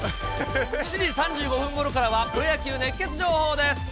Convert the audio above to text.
７時３５分ごろからはプロ野球熱ケツ情報です。